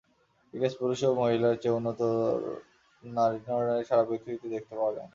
ইংরেজ পুরুষ ও মহিলার চেয়ে উন্নততর নরনারী সারা পৃথিবীতে দেখতে পাওয়া যায় না।